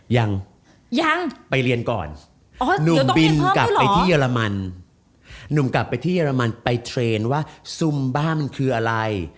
ยังยังไปเรียนก่อนหนุ่มบินกลับไปที่เยอรมันหนุ่มกลับไปที่เรมันไปเทรนด์ว่าซุมบ้ามันคืออะไร